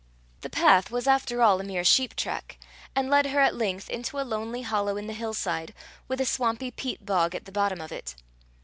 The path was after all a mere sheep track, and led her at length into a lonely hollow in the hill side, with a swampy peat bog at the bottom of it.